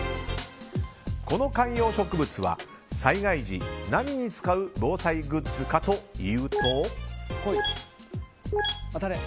この観葉植物は災害時何に使う防災グッズかというと。